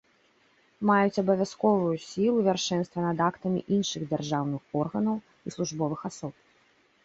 Маюць абавязковую сілу, вяршэнства над актамі іншых дзяржаўных органаў і службовых асоб.